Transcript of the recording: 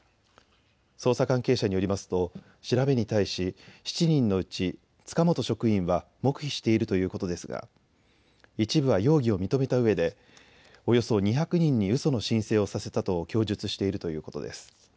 捜査関係者によりますと調べに対し７人のうち塚本職員は黙秘しているということですが一部は容疑を認めたうえでおよそ２００人にうその申請をさせたと供述しているということです。